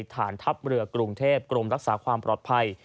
ฐานทัพเรือกรุงเทพกรมรักษาความปลอดภัย